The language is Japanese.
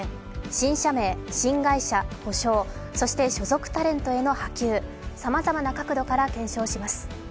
新社名、新会社、補償、そして所属タレントへの波及さまざまな角度から検証します。